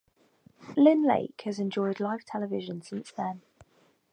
Lynn Lake has enjoyed live television since then.